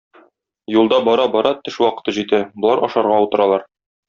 Юлда бара-бара төш вакыты җитә, болар ашарга утыралар.